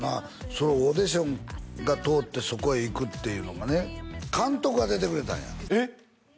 そのオーディションが通ってそこへ行くっていうのがね監督が出てくれたんやえっ？